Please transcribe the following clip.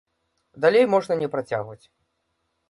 Далей можна не працягваць.